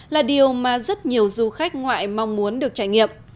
là điều mà rất nhiều du khách ngoại mong muốn được trải nghiệm